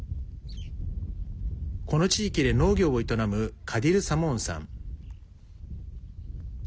この地域で農業を営むカディル・サモーンさん。